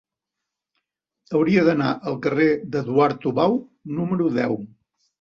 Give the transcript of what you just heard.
Hauria d'anar al carrer d'Eduard Tubau número deu.